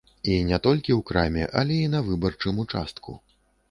І не толькі ў краме, але і на выбарчым участку.